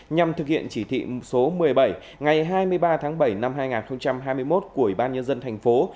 nhằm thực hiện chỉ thị số một mươi bảy ngày hai mươi ba tháng bảy năm hai nghìn hai mươi một của ủy ban nhân dân thành phố